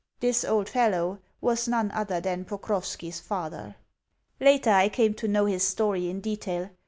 This old fellow was none other than Pokrovski's father. Later I came to know his story in detail.